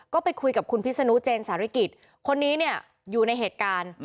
ก็ไปคุยกับคุณพิษนุเจนสาริกิจคนนี้เนี่ยอยู่ในเหตุการณ์